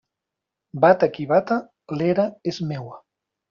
Bata qui bata, l'era és meua.